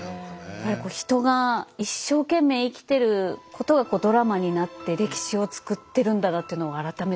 やっぱり人が一生懸命生きてることがドラマになって歴史をつくってるんだなっていうのを改めて思いました。